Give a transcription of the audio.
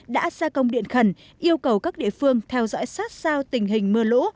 đã ra công điện khẩn yêu cầu các địa phương theo dõi sát sao tình hình mưa lũ